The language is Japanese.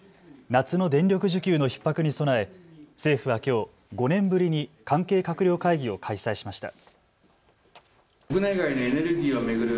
夏の電力需給のひっ迫に備え政府はきょう５年ぶりに関係閣僚会議を開催しました。